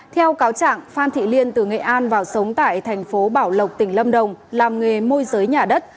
theo cáo chẳng phan thị liên từ nghệ an vào sống tại tp bảo lộc tỉnh lâm đồng làm nghề môi giới nhà đất